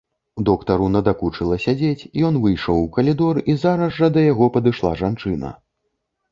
Доктару надакучыла сядзець, ён выйшаў у калідор, і зараз жа да яго падышла жанчына.